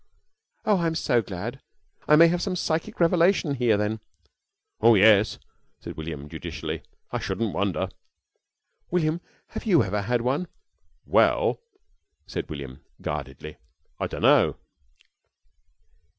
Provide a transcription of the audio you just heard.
"Oh, I'm so glad. I may have some psychic revelation here, then?" "Oh yes," said William, judicially. "I shouldn't wonder." "William, have you ever had one?" "Well," said William, guardedly, "I dunno."